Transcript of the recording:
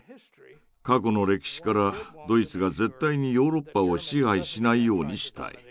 過去の歴史からドイツが絶対にヨーロッパを支配しないようにしたい。